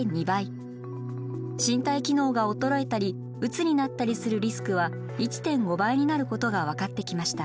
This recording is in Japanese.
身体機能が衰えたりうつになったりするリスクは１．５倍になることが分かってきました。